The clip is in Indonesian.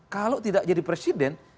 kalau tidak jadi presiden